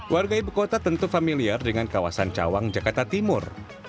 warga ibu kota tentu familiar dengan kawasan cawang jakarta timur